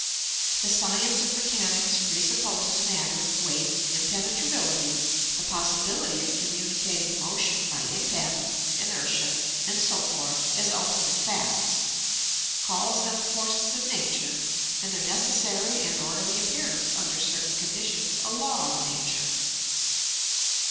The science of mechanics presupposes matter, weight, impenetrability, the possibility of communicating motion by impact, inertia and so forth as ultimate facts, calls them forces of nature, and their necessary and orderly appearance under certain conditions a law of nature.